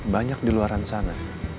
banyak di luar sana